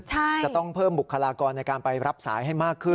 จะต้องเพิ่มบุคลากรในการไปรับสายให้มากขึ้น